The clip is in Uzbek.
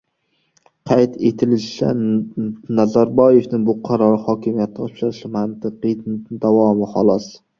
Qayd etilishicha, Nazarboyevning bu qarori hokimiyatni topshirishning mantiqiy davomi, xolos